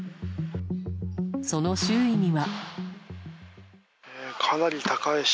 その周囲には。